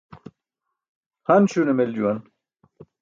Han śune mel juwan.